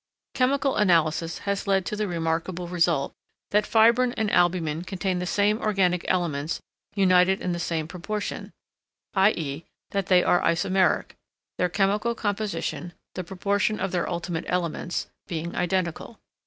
Chemical analysis has led to the remarkable result, that fibrine and albumen contain the same organic elements united in the same proportion, i.e., that they are isomeric, their chemical composition the proportion of their ultimate elements being identical.